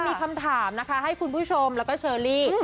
มีคำถามนะคะให้คุณผู้ชมแล้วก็เชอรี่